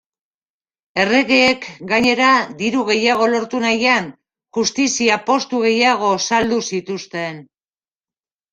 Erregeek, gainera, diru gehiago lortu nahian, justizia-postu gehiago saldu zituzten.